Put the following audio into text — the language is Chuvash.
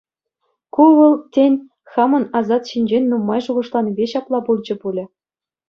Ку вӑл, тен, хамӑн асат ҫинчен нумай шухӑшланипе ҫапла пулчӗ пулӗ.